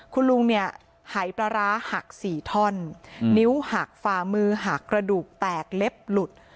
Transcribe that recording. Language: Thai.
คุณลุงเนี่ยหายปลาร้าหัก๔ท่อนนิ้วหักฝ่ามือหักกระดูกแตกเล็บหลุด